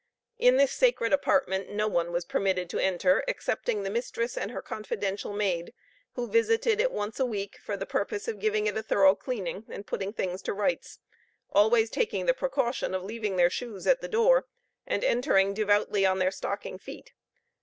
In this sacred apartment no one was permitted to enter excepting the mistress and her confidential maid, who visited it once a week, for the purpose of giving it a thorough cleaning, and putting things to rights; always taking the precaution of leaving their shoes at the door, and entering devoutly on their stocking feet.